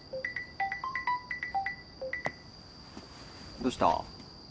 どうした？